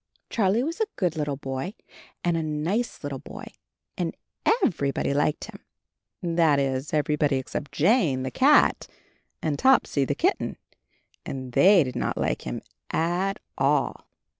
Charlie was a good little boy and a nice little boy, and everybody liked him — ^that is everybody excepting Jane, the cat, and 2 CHARLIE Topsy, the kitten — and they did not like him at all.